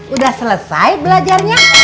udah selesai belajarnya